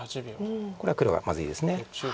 これは黒がまずいです。